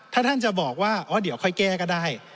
ถ้าท่านจะบอกว่าอ๋อเดี๋ยวค่อยแก้ก็ได้